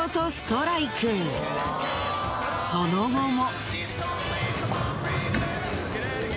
その後も。